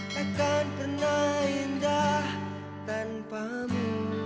takkan kena indah tanpamu